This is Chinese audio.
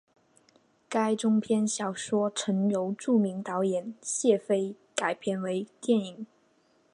该中篇小说曾由著名导演谢飞改编为电影。